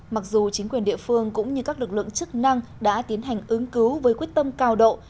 mặc dù chính quyền địa phương cũng như các lực lượng chức năng đã tiến hành ứng cứu với quyết tâm cao độ